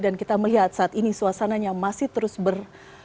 dan kita melihat saat ini suasananya masih terus ber